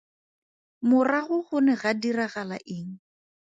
Morago go ne ga diragala eng?